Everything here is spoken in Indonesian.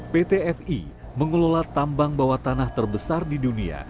pt fi mengelola tambang bawah tanah terbesar di dunia